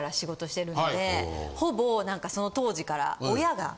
ほぼその当時から。